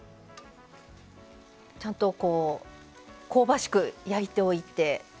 ちゃんと香ばしく焼いておいて。